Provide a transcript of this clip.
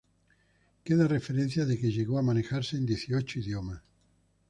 Queda referencia de que llegó a manejarse en dieciocho idiomas.